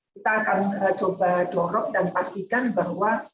kita akan coba dorong dan pastikan bahwa